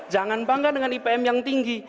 jangan bangga dengan ipm yang tinggi